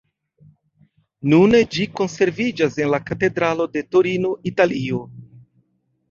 Nune ĝi konserviĝas en la katedralo de Torino, Italio.